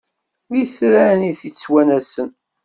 D itran i t-ittwanasen.